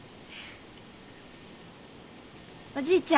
おじいちゃん